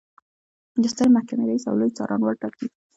د سترې محکمې رئیس او لوی څارنوال ټاکي.